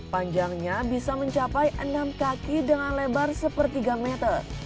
panjangnya bisa mencapai enam kaki dengan lebar sepertiga meter